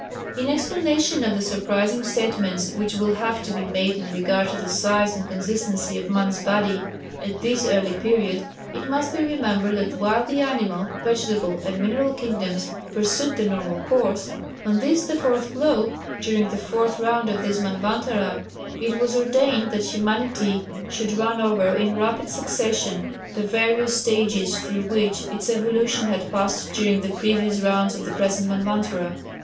In explanation of the surprising statements which will have to be made in regard to the size and consistency of man's body at this early period it must be remembered that while the animal, vegetable and mineral kingdoms pursued the normal course, on this the fourth globe, during the Fourth Round of this Manvantara, it was ordained that humanity should run over in rapid succession the various stages through which its evolution had passed during the previous rounds of the present Manvantara.